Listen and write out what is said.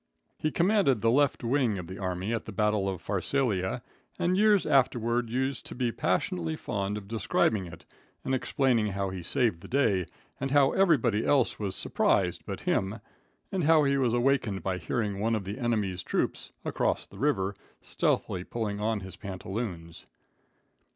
He commanded the left wing of the army at the battle of Pharsalia, and years afterward used to be passionately fond of describing it and explaining how he saved the day, and how everybody else was surprised but him, and how he was awakened by hearing one of the enemy's troops, across the river, stealthily pulling on his pantaloons.